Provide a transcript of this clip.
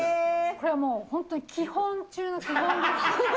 これはもう、本当に基本中の基本です。